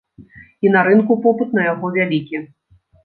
І на рынку попыт на яго вялікі.